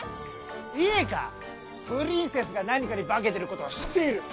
いいかプリンセスが何かに化けてることは知っている。